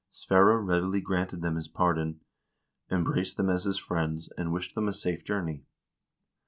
Sverre readily granted them his pardon, embraced them as his friends, and wished them a safe jour ney.